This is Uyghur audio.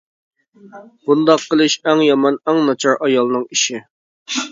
بۇنداق قىلىش ئەڭ يامان ئەڭ ناچار ئايالنىڭ ئىشى!